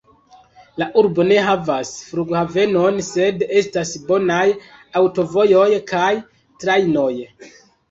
La urbo ne havas flughavenon, sed estas bonaj aŭtovojoj kaj trajnoj.